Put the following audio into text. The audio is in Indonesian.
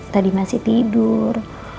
tadi masih tidur